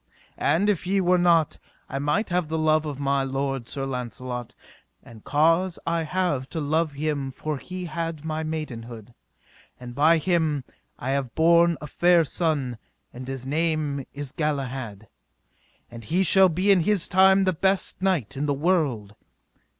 And, if ye were not, I might have the love of my lord Sir Launcelot; and cause I have to love him for he had my maidenhood, and by him I have borne a fair son, and his name is Galahad, and he shall be in his time the best knight of the world.